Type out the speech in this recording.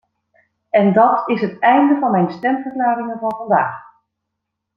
En dat is het einde van mijn stemverklaringen van vandaag.